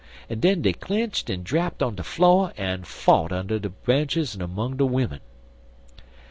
an' den dey clinched an' drapped on de flo' an' fout under de benches an' 'mong de wimmen.